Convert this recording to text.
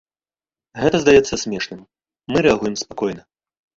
Гэта здаецца смешным, мы рэагуем спакойна.